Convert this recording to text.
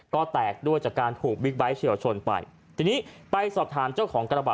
ก็แตกด้วยจากการถูกบิ๊กไบท์เฉียวชนไปทีนี้ไปสอบถามเจ้าของกระบะ